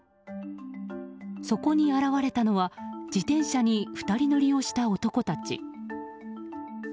そこに現れたのは自転車に２人乗りをした男たち。